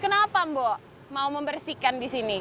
kenapa mbok mau membersihkan di sini